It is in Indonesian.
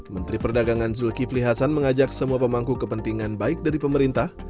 menteri perdagangan zulkifli hasan mengajak semua pemangku kepentingan baik dari pemerintah